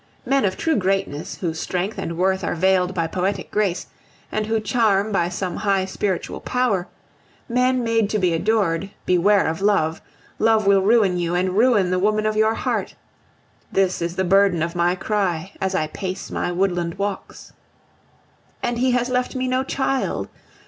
Men of true greatness, whose strength and worth are veiled by poetic grace, and who charm by some high spiritual power, men made to be adored, beware of love! Love will ruin you, and ruin the woman of your heart. This is the burden of my cry as I pace my woodland walks. And he has left me no child!